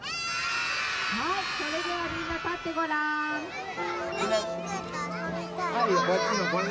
それではみんな立ってごらん。